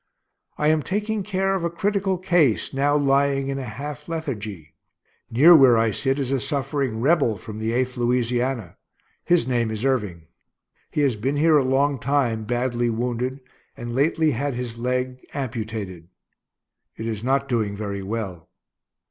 I am taking care of a critical case, now lying in a half lethargy. Near where I sit is a suffering Rebel from the Eighth Louisiana; his name is Irving. He has been here a long time, badly wounded, and lately had his leg amputated. It is not doing very well.